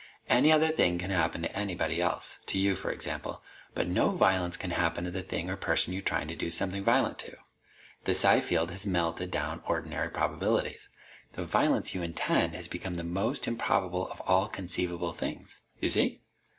Any other thing can happen to anybody else to you, for example but no violence can happen to the thing or person you're trying to do something violent to. The psi field has melted down ordinary probabilities. The violence you intend has become the most improbable of all conceivable things. You see?"